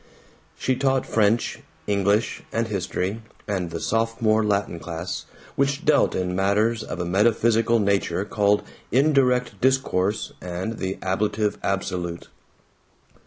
She taught French, English, and history, and the Sophomore Latin class, which dealt in matters of a metaphysical nature called Indirect Discourse and the Ablative Absolute.